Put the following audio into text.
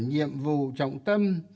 nhiệm vụ trọng tâm